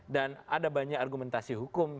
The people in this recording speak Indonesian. dan ada banyak argumentasi hukum